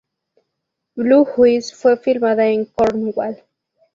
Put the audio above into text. Blue Juice fue filmada en Cornwall.